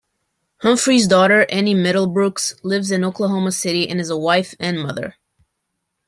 Humphreys' daughter, Annie Middlebrooks, lives in Oklahoma City and is a wife and mother.